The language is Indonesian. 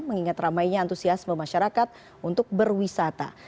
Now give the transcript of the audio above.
mengingat ramainya antusiasme masyarakat untuk berwisata